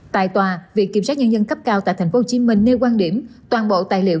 tại tòa viện kiểm sát nhân dân cấp cao tại tp hcm nêu quan điểm toàn bộ tài liệu